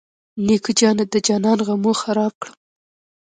نیکه جانه د جانان غمو خراب کړم.